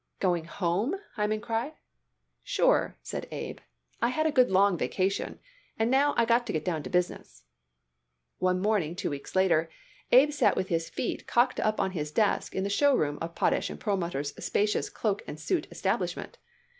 "Going home?" Hyman cried. "Sure," said Abe. "I had a good long vacation, and now I got to get down to business." One morning, two weeks later, Abe sat with his feet cocked up on his desk in the show room of Potash & Perlmutter's spacious cloak and suit establishment.